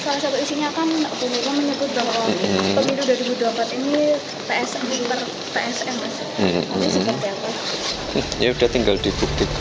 salah satu isinya kan buming menyebut bahwa pemilu dari budapest ini berupa psm mas